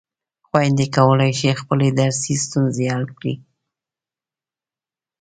خویندې کولای شي خپلې درسي ستونزې حل کړي.